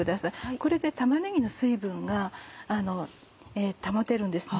これで玉ねぎの水分が保てるんですね。